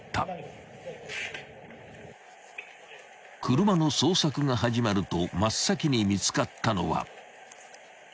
［車の捜索が始まると真っ先に見つかったのは］